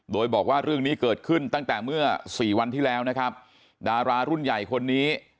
โดยบอกว่าเรื่องนี้เกิดขึ้นตั้งแต่เมื่อสี่วันที่แล้วนะครับดารารุ่นใหญ่คนนี้